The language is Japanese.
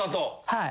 はい。